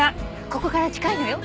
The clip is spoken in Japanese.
ここから近いのよ。